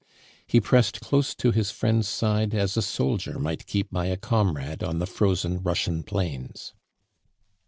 He pressed close to his friend's side as a soldier might keep by a comrade on the frozen Russian plains.